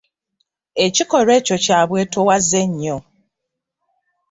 Ekikolwa ekyo kya bwetoowaze nnyo.